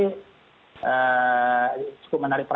cukup menarik perhatian juga dari luar gitu kan